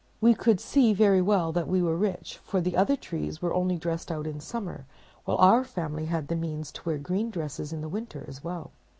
We could see very well that we were rich, for the other trees were only dressed out in summer, while our family had the means to wear green dresses in the winter as well.